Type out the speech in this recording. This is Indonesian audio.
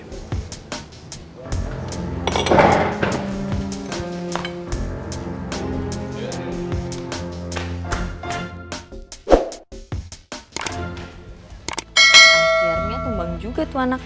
akhirnya tumbang juga tuan bagus